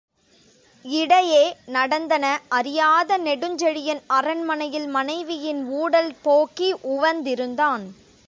இடையே நடந்தன அறியாத நெடுஞ்செழியன் அரண்மனையில் மனைவியின் ஊடல் போக்கி உவந்திருந்தான்.